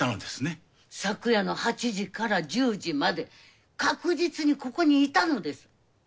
昨夜の８時から１０時まで確実にここにいたのです。